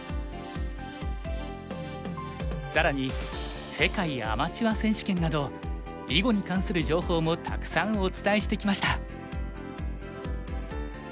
更に世界アマチュア選手権など囲碁に関する情報もたくさんお伝えしてきました。